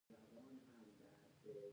د نجونو تعلیم د شبکې جوړولو مهارت ورکوي.